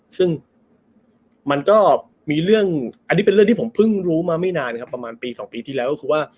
ซึ่งมันก็มีเรื่องอันนี้เป็นเรื่องที่ผมเพิ่งรู้มาไม่นานครับประมาณปี๒ปีที่แล้วก็คือว่า